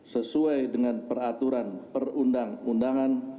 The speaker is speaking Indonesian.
sesuai dengan peraturan perundang undangan